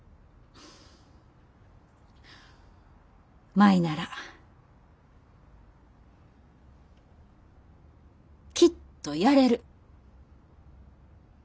舞ならきっとやれる。